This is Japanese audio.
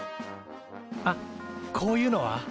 あっこういうのは？